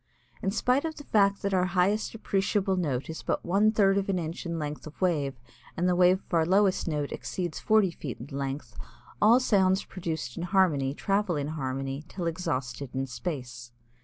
In spite of the fact that our highest appreciable note is but one third of an inch in length of wave and the wave of our lowest note exceeds forty feet in length, all sounds produced in harmony travel in harmony till exhausted in space.